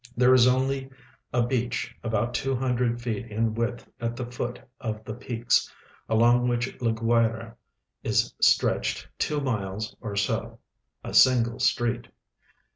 There is only a beach about two hundred feet in width at the foot of the peaks, along which La Guayra is stretched two miles or so — a .single street.